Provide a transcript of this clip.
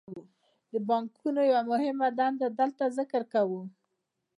د بانکونو یوه مهمه دنده دلته ذکر کوو